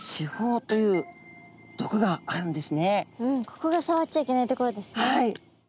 ここがさわっちゃいけないところですね。